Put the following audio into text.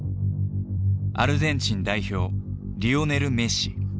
アルゼンチン代表リオネル・メッシ。